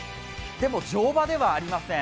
でも乗馬ではありません。